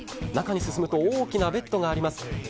中に進むと大きなベッドがあります。